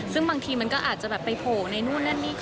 ซึ่งบางทีมันก็อาจจะแบบไปโผล่ในนู่นนั่นนี่